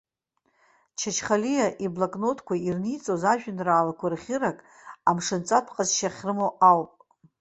Чачхалиа иблокнотқәа ирниҵоз ажәеинраалақәа рӷьырак амшынҵатә ҟазшьа ахьрымоу ауп.